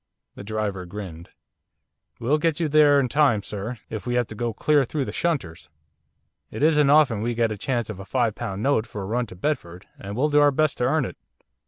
The driver grinned. 'We'll get you there in time, sir, if we have to go clear through the shunters. It isn't often we get a chance of a five pound note for a run to Bedford, and we'll do our best to earn it.